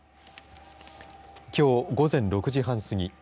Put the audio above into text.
きょう午前６時半過ぎ